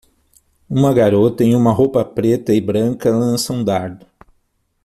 Uma garota em uma roupa preta e branca lança um dardo